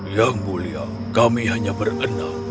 yang mulia kami hanya berenang